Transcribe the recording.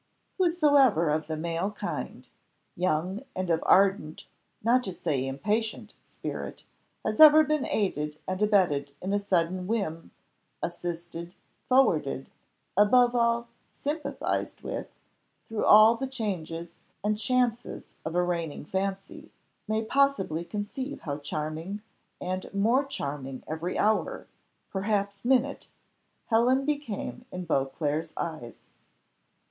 Whosoever of the male kind, young, and of ardent, not to say impatient, spirit, has ever been aided and abetted in a sudden whim, assisted, forwarded, above all, sympathised with, through all the changes and chances of a reigning fancy, may possibly conceive how charming, and more charming every hour, perhaps minute, Helen became in Beauclerc's eyes.